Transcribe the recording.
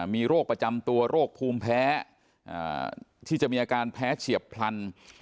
มีโรคประจำตัวโรคภูมิแพ้ที่จะมีอาการแพ้เฉียบพลัน